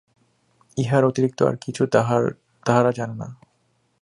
ইহার অতিরিক্ত আর কিছু তাহারা জানে না।